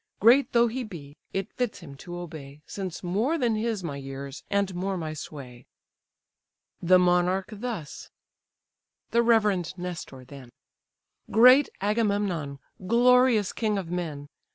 Great though he be, it fits him to obey, Since more than his my years, and more my sway." PLUTO The monarch thus. The reverend Nestor then: "Great Agamemnon! glorious king of men!